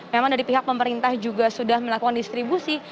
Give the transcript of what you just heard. memang dari pihak pemerintah juga sudah melakukan distribusi